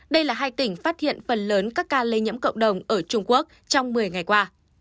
đây là hai tỉnh phát hiện phần lớn các ca lây nhiễm cộng đồng ở trung quốc trong một mươi ngày qua